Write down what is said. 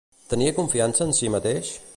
Tenia confiança en si mateix?